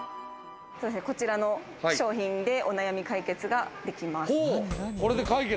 こちらの商品でお悩み解決ができます。